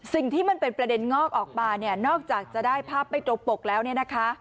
สิ่งที่มันเป็นประเด็นงอกออกมาเนี่ยนอกจากจะได้ภาพไม่ตรงปกแล้วเนี่ยนะคะ